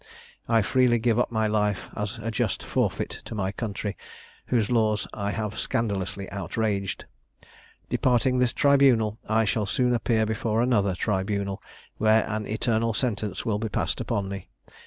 I freely give up my life as a just forfeit to my country, whose laws I have scandalously outraged. Departing this tribunal, I shall soon appear before another tribunal, where an eternal sentence will be passed upon me.